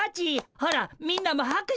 ほらみんなもはく手。